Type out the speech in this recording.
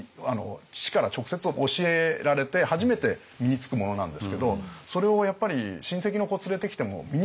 父から直接教えられて初めて身につくものなんですけどそれをやっぱり親戚の子連れてきても身につかないんですよ。